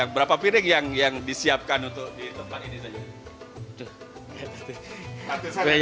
berapa piring yang disiapkan untuk di tempat ini tadi